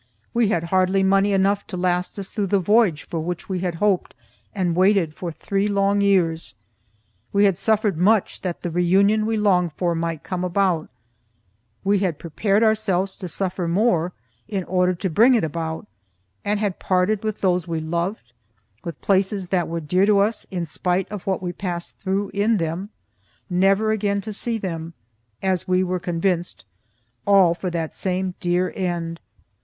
We had hardly money enough to last us through the voyage for which we had hoped and waited for three long years. We had suffered much that the reunion we longed for might come about; we had prepared ourselves to suffer more in order to bring it about, and had parted with those we loved, with places that were dear to us in spite of what we passed through in them, never again to see them, as we were convinced all for the same dear end.